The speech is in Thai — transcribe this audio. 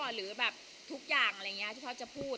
หรือแบบทุกอย่างอะไรอย่างนี้ที่เขาจะพูด